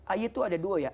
ayat itu ada dua ya